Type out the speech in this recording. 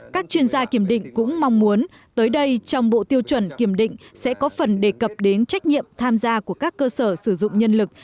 các chuyên gia kiểm định cũng mong muốn tới đây trong bộ tiêu chuẩn kiểm định sẽ có phần đề cập đến trách nhiệm tham gia của các cơ sở sử dụng nhân lực